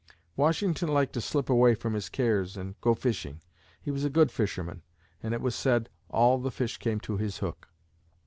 Washington liked to slip away from his cares and go fishing. He was a good fisherman and it was said "all the fish came to his hook."